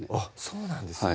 そうなんですね